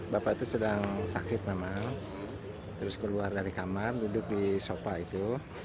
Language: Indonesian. bapak itu sedang sakit memang terus keluar dari kamar duduk di sofa itu